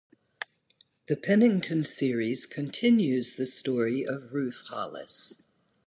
The Pennington series continues the story of Ruth Hollis.